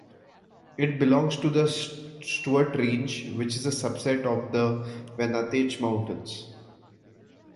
It belongs to the Stuart Range which is subset of the Wenatchee Mountains.